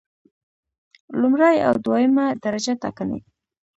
لومړی او دویمه درجه ټاکنې